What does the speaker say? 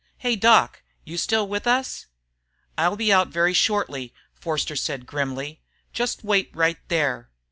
"Hey Doc! You still with us?" "I'll be out very shortly," Forster said grimly. "Just wait right there."